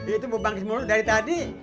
itu bebangkis mulut dari tadi